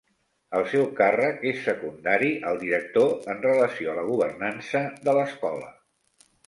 El seu càrrec és secundari al director en relació a la governança de l'escola.